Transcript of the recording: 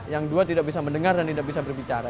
yang dua tidak bisa mendengar dan tidak bisa berbicara